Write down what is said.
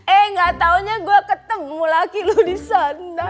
eh gak taunya gua ketemu lagi lu di sana